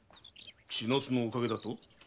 千奈津のおかげだと？